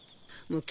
もう。